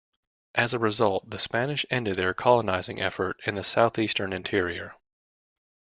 As a result, the Spanish ended their colonizing effort in the southeastern interior.